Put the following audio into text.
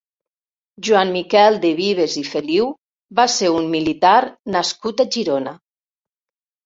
Joan Miquel de Vives i Feliu va ser un militar nascut a Girona.